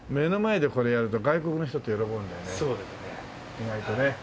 意外とね。